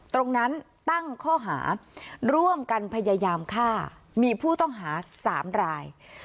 ตรงนั้นตั้งข้อหาร่วมกันพยายามฆ่ามีผู้ต้องหา๓ราย